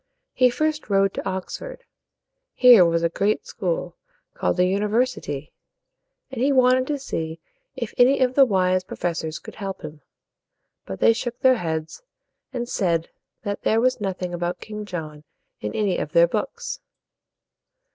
He first rode to Oxford. Here was a great school, called a u ni ver´si ty, and he wanted to see if any of the wise pro fess ors could help him. But they shook their heads, and said that there was nothing about King John in any of their books.